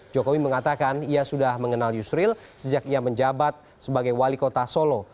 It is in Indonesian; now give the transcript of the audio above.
jokowi mengatakan ia sudah mengenal yusril sejak ia menjabat sebagai wali kota solo